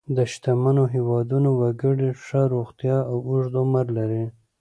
د شتمنو هېوادونو وګړي ښه روغتیا او اوږد عمر لري.